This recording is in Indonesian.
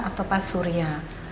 atau pak surya